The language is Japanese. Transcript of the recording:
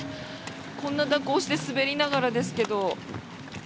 こんな蛇行して滑りながらですけど。